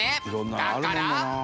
だから。